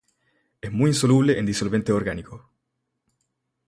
Es muy insoluble en disolventes orgánicos.